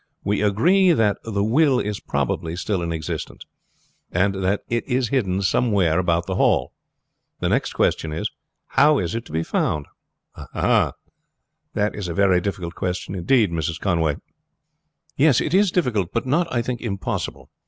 We agree that the will is probably still in existence, and that it is hidden somewhere about the Hall. The next question is, how is it to be found?" "Ah! that is a very difficult question indeed, Mrs. Conway." "Yes, it is difficult, but not, I think, impossible.